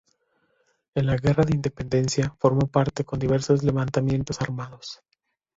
En la guerra de independencia formó parte con diversos levantamientos armados.